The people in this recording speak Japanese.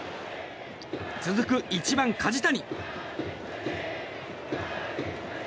続く１番、梶谷。